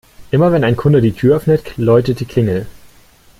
Immer, wenn ein Kunde die Tür öffnet, läutet die Klingel.